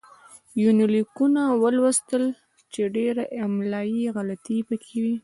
يونليکونه ولوستل چې ډېره املايي غلطي پکې وې